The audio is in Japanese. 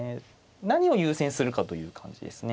何を優先するかという感じですね。